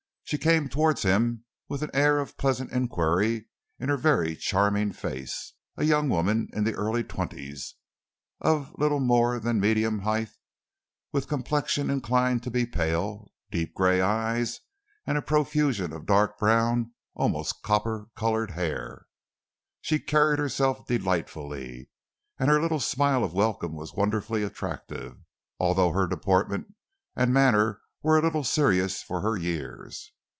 She came towards him with an air of pleasant enquiry in her very charming face a young woman in the early twenties, of little more than medium height, with complexion inclined to be pale, deep grey eyes, and a profusion of dark brown, almost copper coloured hair. She carried herself delightfully and her little smile of welcome was wonderfully attractive, although her deportment and manner were a little serious for her years.